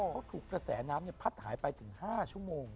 เขาถูกกระแสน้ำพัดหายไปถึง๕ชั่วโมง